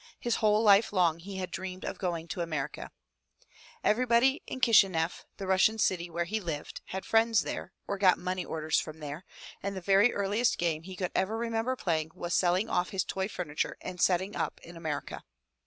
His whole life long he had dreamed of going to America. Everybody in Kishineff, the Russian city where he lived, had friends there, or got money orders from there, and the very earliest game he could ever remember playing was selling off his toy furniture and setting up in America.